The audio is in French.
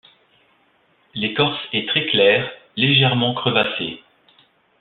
L'écorce est très claire, légèrement crevassée.